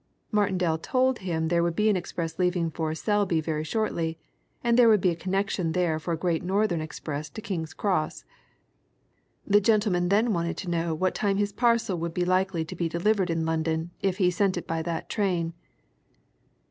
Martindale told him there would be an express leaving for Selby very shortly, and there would be a connection there for a Great Northern express to King's Cross. The gentleman then wanted to know what time his parcel would be likely to be delivered in London if he sent it by that train.